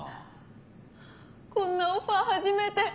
こんなオファー初めて。